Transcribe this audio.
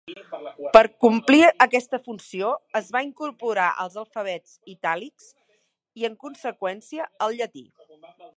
Per complir aquesta funció, es va incorporar als alfabets itàlics i, en conseqüència, al llatí.